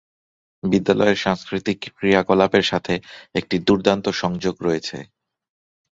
বিদ্যালয়ের সাংস্কৃতিক ক্রিয়াকলাপের সাথে একটি দুর্দান্ত সংযোগ রয়েছে।